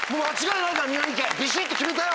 ビシっと決めたよ